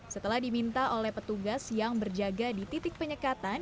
setelah diminta oleh petugas yang berjaga di titik penyekatan